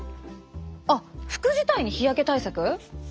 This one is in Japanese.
あっ服自体に日焼け対策？